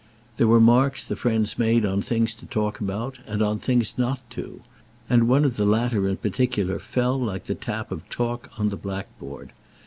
There were marks the friends made on things to talk about, and on things not to, and one of the latter in particular fell like the tap of chalk on the blackboard.